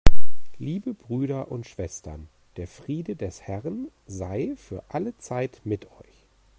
Liebe Brüder und Schwestern, der Friede des Herrn sei für alle Zeit mit euch.